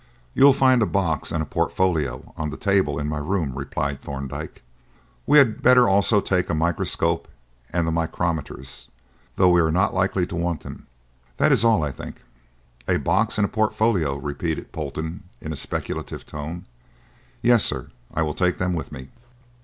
"You will find a box and a portfolio on the table in my room," replied Thorndyke. "We had better also take a microscope and the micrometers, though we are not likely to want them; that is all, I think." "A box and a portfolio," repeated Polton in a speculative tone. "Yes, sir, I will take them with me."